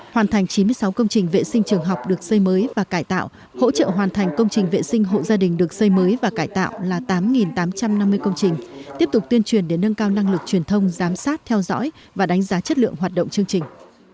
hoàn thành chín mươi sáu công trình vệ sinh trường học được xây mới và cải tạo hỗ trợ hoàn thành công trình vệ sinh hộ gia đình được xây mới và cải tạo là tám tám trăm năm mươi công trình tiếp tục tuyên truyền để nâng cao năng lực truyền thông giám sát theo dõi và đánh giá chất lượng hoạt động chương trình